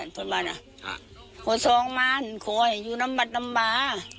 สันพันบ้านน่ะหัวสองม้านหัวใหญ่อยู่น้ำบัดน้ำบา